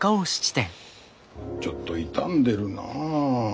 ちょっと傷んでるなあ。